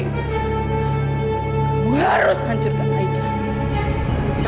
kamu harus hancurkan aida